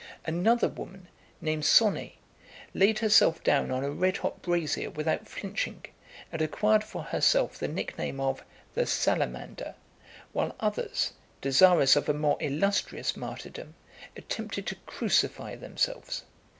Another woman, named Sonnet, laid herself down on a red hot brazier without flinching, and acquired for herself the nickname of the Salamander; while others, desirous of a more illustrious martyrdom, attempted to crucify themselves.